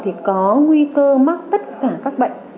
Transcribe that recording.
thì có nguy cơ mắc tất cả các bệnh